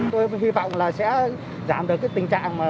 tôi hy vọng là sẽ giảm được tình trạng